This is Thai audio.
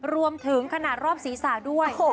รวมถึงขนาดรอบศีรษะด้วย